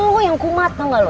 lu yang kumat tau gak lu